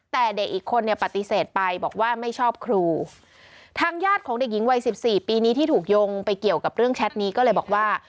แต่เด็กอีกคนเนี่ยปฏิเสธไปบอกว่าไม่ชอบครูทางญาติของเด็กหญิงวัยสิบสี่ปีนี้ที่ถูกโยงไปเกี่ยวกับเรื่องแชทนี้ก็เลยบอกว่า